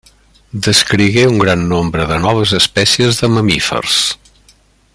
Descrigué un gran nombre de noves espècies de mamífers.